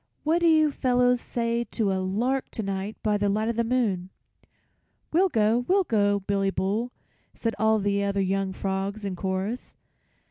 "What do you fellows say to a lark to night by the light of the moon?" "We'll go, we'll go, Billy Bull," said all the other young frogs in chorus.